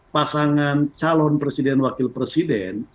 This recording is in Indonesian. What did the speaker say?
pasangan calon presiden wakil presiden